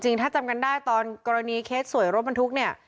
ถ้าจำกันได้ตอนกรณีเคสสวยรถบรรทุกเนี่ย